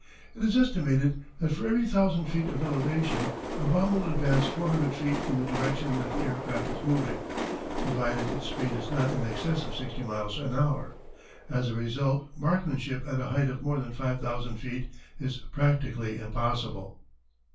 It is estimated that for every thousand feet of elevation a bomb will advance four hundred feet in the direction that the aircraft is moving, provided its speed is not in excess of sixty miles an hour. As a result marksmanship at a height of more than five thousand feet is practically impossible.